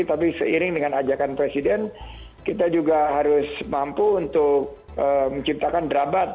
tapi seiring dengan ajakan presiden kita juga harus mampu untuk menciptakan drabat